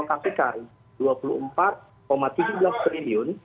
sehingga kita alokasikan rp dua puluh empat tujuh triliun